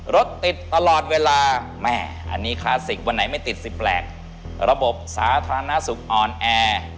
รถติดตลอดเวลา